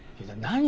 何？